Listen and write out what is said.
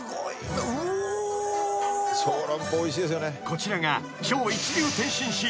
［こちらが超一流点心師